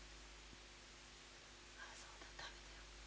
ああそうだ食べてる。